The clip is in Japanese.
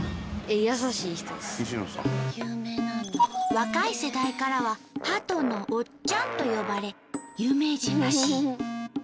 若い世代からは「ハトのおっちゃん」と呼ばれ有名人らしい。